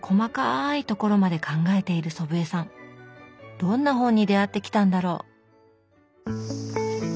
どんな本に出会ってきたんだろう？